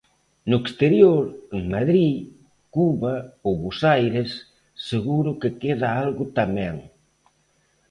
No exterior, en Madrid, Cuba ou Bos Aires, seguro que queda algo tamén.